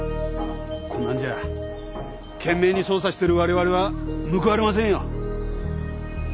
こんなんじゃ懸命に捜査してるわれわれは報われませんよ。